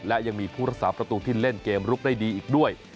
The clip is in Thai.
และยังมีผู้รักษาประตูที่เล่นเกมลุกได้ดีอีกด้วย